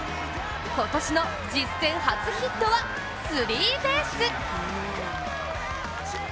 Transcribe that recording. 今年の実戦初ヒットはスリーベース。